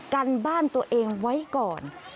กันบ้านตัวเองไว้ก่อน